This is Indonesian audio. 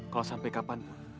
kalau sampai kapan